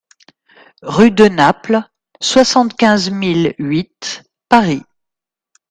RUE DE NAPLES, soixante-quinze mille huit Paris